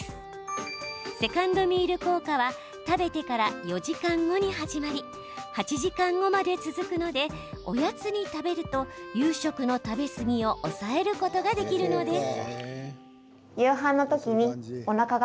セカンドミール効果は食べてから４時間後に始まり８時間後まで続くのでおやつに食べると夕食の食べ過ぎを抑えることができるのです。